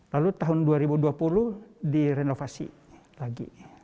lalu tahun dua ribu dua puluh direnovasi lagi